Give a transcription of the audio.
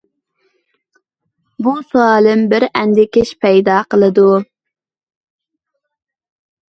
بۇ سوئالىم بىر ئەندىكىش پەيدا قىلدى.